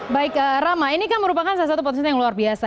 baik rama ini kan merupakan salah satu potensi